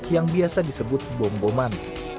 yang biasa disebut bomboman